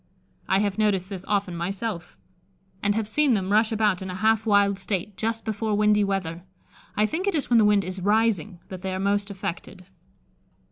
I have noticed this often myself, and have seen them rush about in a half wild state just before windy weather. I think it is when the wind is rising that they are most affected.